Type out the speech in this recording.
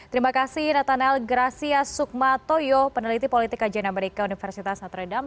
terima kasih nathanel gracia sukmatojo peneliti politik ajen amerika universitas notre dame